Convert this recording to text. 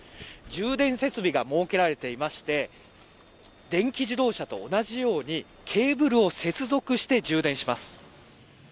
充電設備が設けられていまして電気自動車と同じようにケーブルを接続して充電します。